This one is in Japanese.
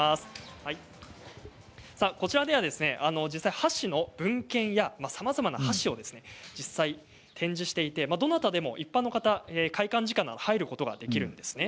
こちらでは実際箸の文献や、さまざまな箸を展示していてどなたでも一般の方開館時間なら入ることができるんですね。